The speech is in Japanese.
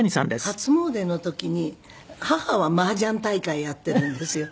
初詣の時に母はマージャン大会やっているんですよ